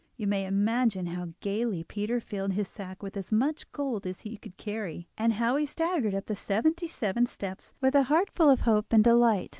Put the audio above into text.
You may imagine how gaily Peter filled his sack with as much gold as he could carry, and how he staggered up the seventy seven steps with a heart full of hope and delight.